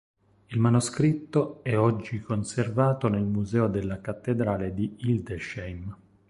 Il manoscritto è oggi conservato nel museo della cattedrale di Hildesheim.